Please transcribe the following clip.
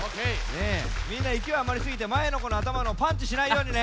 みんないきおいあまりすぎてまえのこのあたまをパンチしないようにね。